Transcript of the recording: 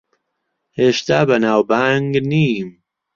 هێشتا بەناوبانگ نیم.